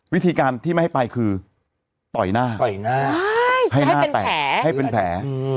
วิธีการที่ไม่ให้ไปคือต่อยหน้าต่อยหน้าให้หน้าแตกให้เป็นแผล